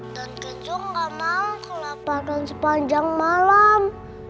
dan kenco gak mau kelaparan sepanjang malam